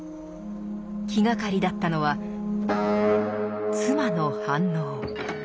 気がかりだったのは妻の反応。